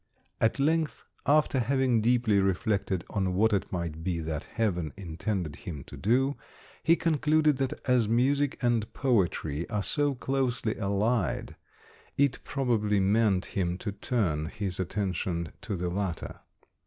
At length, after having deeply reflected on what it might be that Heaven intended him to do, he concluded that as music and poetry are so closely allied, it probably meant him to turn his attention to the latter.